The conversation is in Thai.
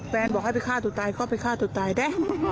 บอกให้ไปฆ่าตัวตายก็ไปฆ่าตัวตายแน่